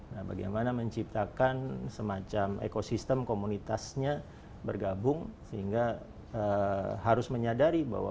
nah bagaimana menciptakan semacam ekosistem komunitasnya bergabung sehingga harus menyadari bahwa